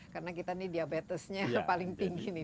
karena kita nih diabetesnya paling tinggi nih